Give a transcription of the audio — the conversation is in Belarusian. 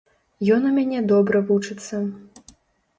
Ён у мяне добра вучыцца.